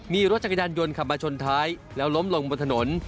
มีรถจักรยานยนต์ขับมาชนท้ายแล้วล้มลงบนถนน